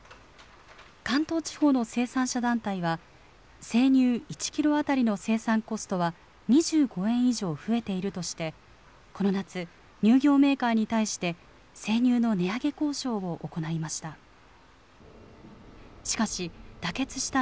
関東地方の生産者団体は、生乳１キロ当たりの生産コストは２５円以上増えているとして、この夏、乳業メーカーに対して生乳の値上げ交渉を行いました。